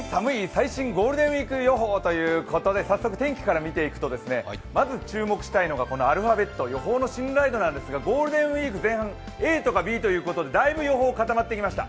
最新ゴールデンウイーク予報ということで早速天気から見ていくとまず注目したいのがアルファベット、予報の信頼度なんですが、ゴールデンウイーク前半、ＡとかＢということでだいぶ予報、固まってきました。